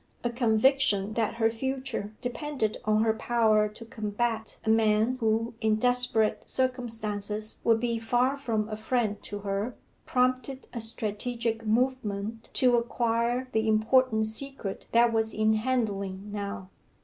A conviction that her future depended on her power to combat a man who, in desperate circumstances, would be far from a friend to her, prompted a strategic movement to acquire the important secret that was in handling now.